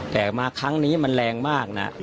แต่มาครั้งนี้มันแรงมากนะ